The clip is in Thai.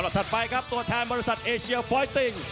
ถัดไปครับตัวแทนบริษัทเอเชียฟอยติ้ง